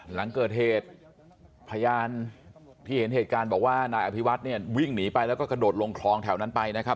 หลังเกิดเหตุพยานที่เห็นเหตุการณ์บอกว่านายอภิวัฒน์เนี่ยวิ่งหนีไปแล้วก็กระโดดลงคลองแถวนั้นไปนะครับ